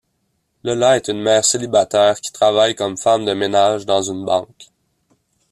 Lola est une mère célibataire qui travaille comme femme de ménage dans une banque.